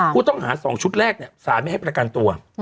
คุณต้องหา๒ชุดแรกเนี่ยสารไม่ให้ประกันตัว